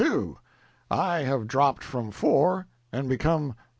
2; I have dropped from 4 and become No.